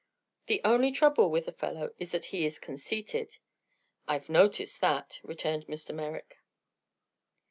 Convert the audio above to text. The only trouble with the fellow is that he is conceited." "I've noticed that," returned Mr. Merrick.